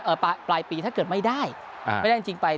แบบปลายปีถ้าเกิดไม่ได้ไม่ได้จริงไป